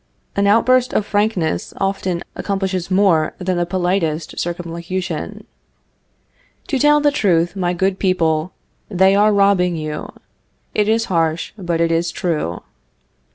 An outburst of frankness often accomplishes more than the politest circumlocution. To tell the truth, my good people, they are robbing you. It is harsh, but it is true.